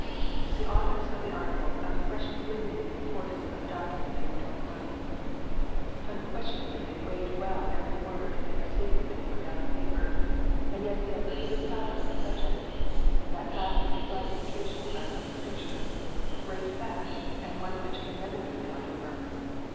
The authors of the Articles unquestionably knew the importance of the document they were drawing up. Un PKAYER BOOK STATEMENTS : REGENERATION. 147 questionably they weighed well every word and every statement they put down on paper. And yet they are perfectly silent on the subject ! That silence is like the occasional silence of Scripture, a great fact, and one which can never be got over.